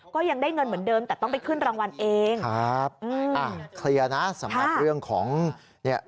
ก็ยังได้เงินเหมือนเดิมแต่ต้องไปขึ้นรางวัลเองครับอ่ะเคลียร์นะสำหรับเรื่องของเนี่ย